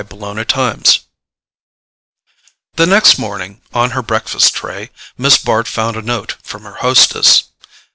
Chapter 4 The next morning, on her breakfast tray, Miss Bart found a note from her hostess.